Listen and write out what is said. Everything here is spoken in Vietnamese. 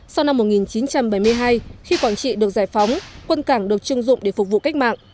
sau năm một nghìn chín trăm bảy mươi hai khi quảng trị được giải phóng quân cảng được chưng dụng để phục vụ cách mạng